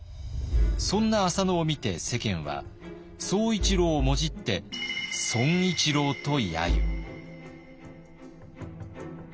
そんな浅野を見て世間は「総一郎」をもじって「損一郎」とやゆ。